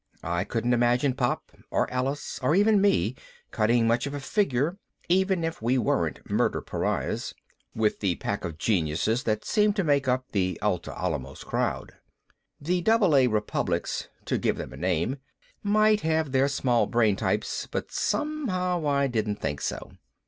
I couldn't imagine Pop or Alice or even me cutting much of a figure (even if we weren't murder pariahs) with the pack of geniuses that seemed to make up the Atla Alamos crowd. The Double A Republics, to give them a name, might have their small brain types, but somehow I didn't think so.